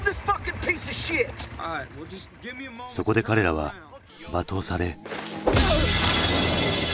そこで彼らは罵倒され。